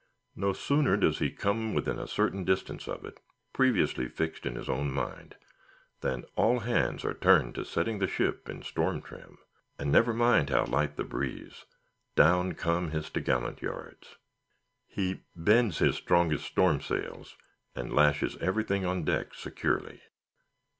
No sooner does he come within a certain distance of it—previously fixed in his own mind—than all hands are turned to setting the ship in storm trim; and never mind how light the breeze, down come his t' gallant yards. He "bends" his strongest storm sails, and lashes everything on deck securely.